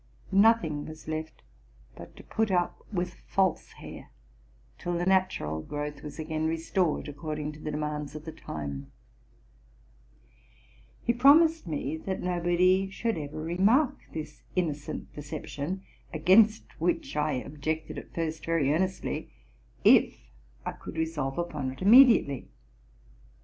Nothing was left but to put up with false hair till the natural growth was again restored according to the demands of the time, "Ee promised me that nobody should ever remark this innocent deception (against which I objected at first very earnestly), if I could resolve upon it immediately.